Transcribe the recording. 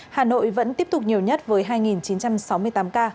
hà nội vẫn tiếp tục nhiều nhất với hai chín trăm sáu mươi tám ca